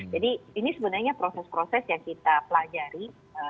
jadi ini sebenarnya proses proses yang kita pelajari